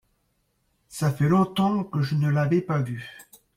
ça fait longtemps que je ne l'avais par vu.